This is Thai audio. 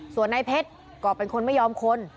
ส่วนนายเพชรก็เป็นคนไม่ยอมคน